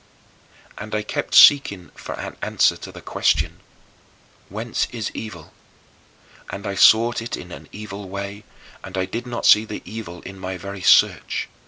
CHAPTER V 7. And I kept seeking for an answer to the question, Whence is evil? And I sought it in an evil way, and I did not see the evil in my very search.